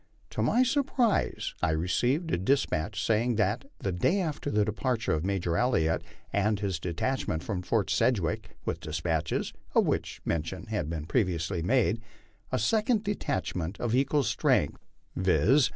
To my surprise I received a despatch saying that, the day after the departure of Major Elliott and his detachment from Fort Sedgwick with despatches, of which mention has been previously made, a second detachment of equal strength, viz.